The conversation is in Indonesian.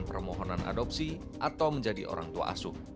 permohonan adopsi atau menjadi orang tua asuh